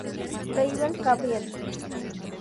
Rabel, Gabriele.